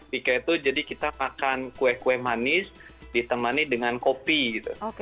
pika itu jadi kita makan kue kue manis ditemani dengan kopi gitu